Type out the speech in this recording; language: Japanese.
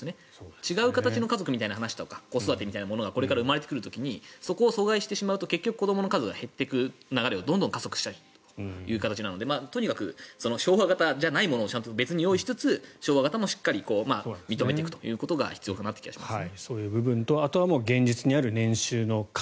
違う形の家族の話とか子育てみたいなものがこれから生まれる時にそこを阻害してしまうと結局子どもの数が減ってくる流れがどんどん加速しちゃうのでとにかく昭和型じゃないものを別に用意しつつ昭和型もしっかり認めていくということがそういう部分とあとは現実にある年収の壁。